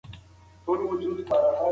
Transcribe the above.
خاموشي له پخوا څخه بدله ده.